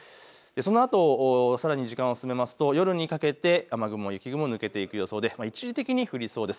そのあとさらに時間を進めますと夜にかけて雨雲、雪雲抜けていく予想で一時的に降りそうです。